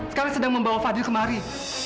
sekarang sedang membawa fadli kemari